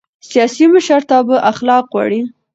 سیاسي مشرتابه اخلاق غواړي